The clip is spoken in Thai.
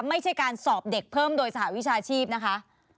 ไม่ใช่การสอบเด็กเพิ่มโดยสหวิชาชีพนะคะ